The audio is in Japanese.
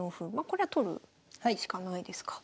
これは取るしかないですか。